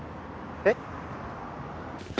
えっ？